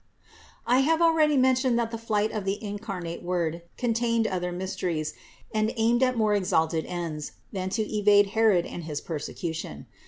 641. I have already mentioned that the 'flight of the incarnate Word contained other mysteries and aimed at more exalted ends than to evade Herod and his perse cution.